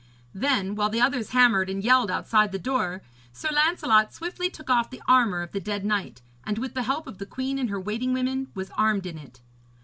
Then, while the others hammered and yelled outside the door, Sir Lancelot swiftly took off the armour of the dead knight, and with the help of the queen and her waiting women was armed in it.